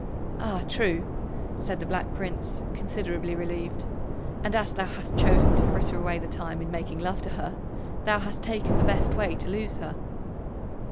"Ah, true!" said the Black Prince, considerably relieved. "And as thou hast chosen to fritter away the time in making love to her, thou hast taken the best way to lose her."